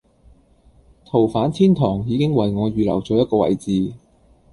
逃犯天堂已經為我預留咗一個位置